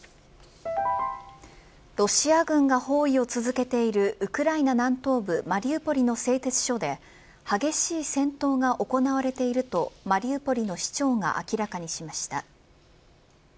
ロシア軍が包囲を続けているウクライナ南東部マリウポリの製鉄所で激しい戦闘が行われているとマリウポリの市長が明らかにしました。